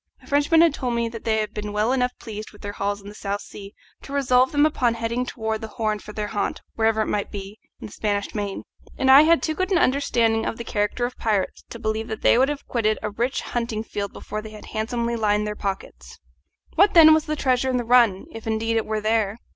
The Frenchman had told me that they had been well enough pleased with their hauls in the South Sea to resolve them upon heading round the Horn for their haunt, wherever it might be, in the Spanish main; and I had too good an understanding of the character of pirates to believe that they would have quitted a rich hunting field before they had handsomely lined their pockets. What, then, was the treasure in the run, if indeed it were there?